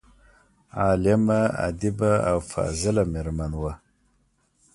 عالمه، ادیبه او فاضله میرمن وه.